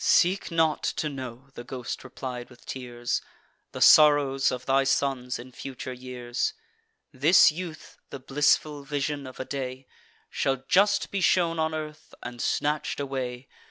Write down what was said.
"Seek not to know," the ghost replied with tears, "The sorrows of thy sons in future years. This youth (the blissful vision of a day) Shall just be shown on earth, and snatch'd away.